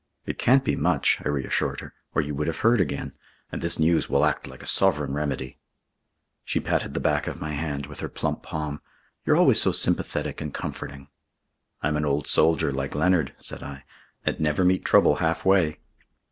"It can't be much," I reassured her, "or you would have heard again. And this news will act like a sovereign remedy." She patted the back of my hand with her plump palm. "You're always so sympathetic and comforting." "I'm an old soldier, like Leonard," said I, "and never meet trouble halfway."